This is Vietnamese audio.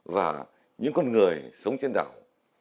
và những con người sống trên đảo